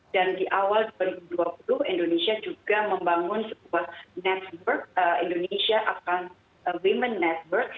dan di awal dua ribu dua puluh indonesia juga membangun sebuah network indonesia afghan women network